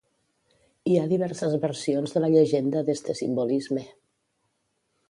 Hi ha diverses versions de la llegenda d'este simbolisme.